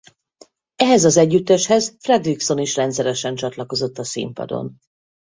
Ehhez az együtteshez Fredriksson is rendszeresen csatlakozott a színpadon.